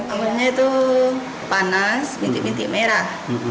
amannya itu panas pintik pintik merah